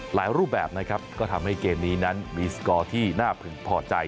รูปแบบนะครับก็ทำให้เกมนี้นั้นมีสกอร์ที่น่าพึงพอใจ